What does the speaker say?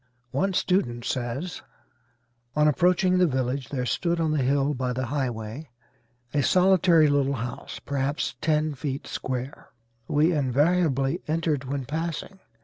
One student says; "On approaching the village there stood on the hill by the highway a solitary little house, perhaps ten feet square, we invariably entered when passing.